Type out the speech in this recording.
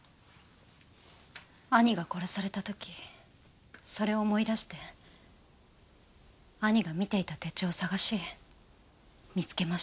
兄が殺された時それを思い出して兄が見ていた手帳を探し見つけました。